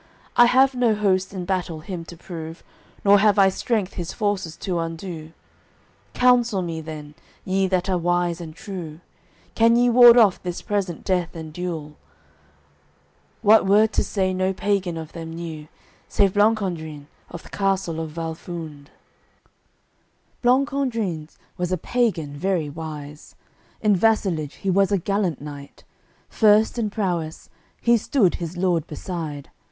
I have no host in battle him to prove, Nor have I strength his forces to undo. Counsel me then, ye that are wise and true; Can ye ward off this present death and dule?" What word to say no pagan of them knew, Save Blancandrin, of th' Castle of Val Funde. III Blancandrins was a pagan very wise, In vassalage he was a gallant knight, First in prowess, he stood his lord beside.